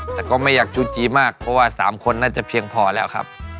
แต่ก็ไม่อยากจูจีมากเพราะว่า๓คนน่าจะเพียงพอแล้วครับ